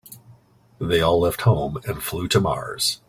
They all left home and flew to Mars.